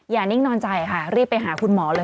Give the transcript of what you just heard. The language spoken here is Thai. นิ่งนอนใจค่ะรีบไปหาคุณหมอเลย